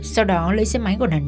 sau đó lấy xếp máy của nạn nhân